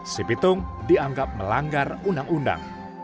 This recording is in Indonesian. si pitung dianggap melanggar undang undang